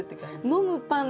「飲むパン」